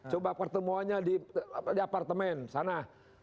coba pertemuannya di apartemen sana